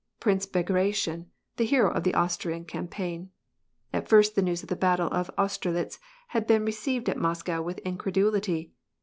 Prince Bagration, the hero of the Austrian campaign. [At first the news of the battle of Austerlitz had been re ved at Moscow with incredulity.